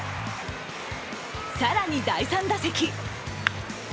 更に第３打席。